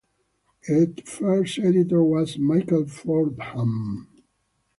Its first editor was Michael Fordham.